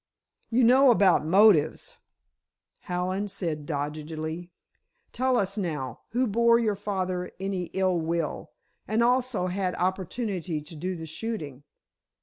"You know about motives," Hallen said, doggedly. "Tell us now, who bore your father any ill will, and also had opportunity to do the shooting?"